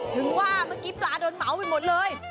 ถึงว่าเมื่อกี้ปลาโดนเหมาไปหมดเลย